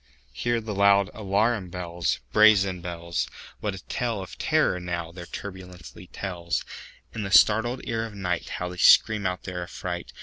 Hear the loud alarum bells, Brazen bells! What a tale of terror, now, their turbulency tells! In the startled ear of nightHow they scream out their affright!